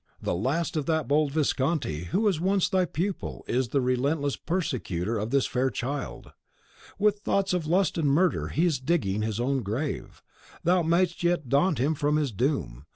The last of that bold Visconti who was once thy pupil is the relentless persecutor of this fair child. With thoughts of lust and murder, he is digging his own grave; thou mayest yet daunt him from his doom.